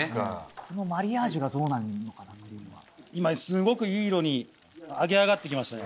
このマリアージュがどうなるのかなっていうのは今すごくいい色に揚げ上がってきましたね